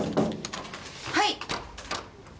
はい。